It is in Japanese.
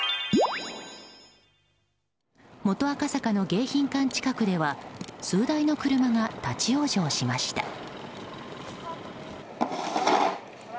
元赤坂の迎賓館近くでは数台の車が立ち往生しました。